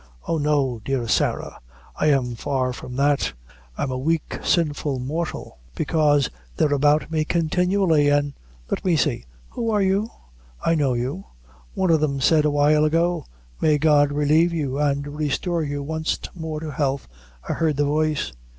Oh no, dear Sarah, I am far from that I'm a wake, sinful mortal." "Bekaise they're about me continually an' let me see who are you? I know you. One o' them said a while ago, 'May God relieve you and restore you wanst more to health;' I heard the voice."